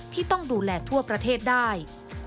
ที่ต้องดูแลทั่วประเทศได้